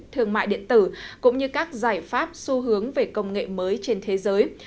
thương mại điện tử cũng như các giải pháp xu hướng về công nghệ mới trên thế giới